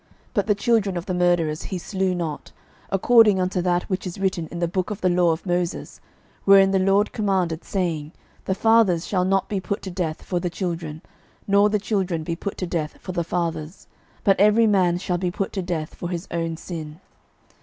12:014:006 But the children of the murderers he slew not: according unto that which is written in the book of the law of Moses, wherein the LORD commanded, saying, The fathers shall not be put to death for the children, nor the children be put to death for the fathers; but every man shall be put to death for his own sin.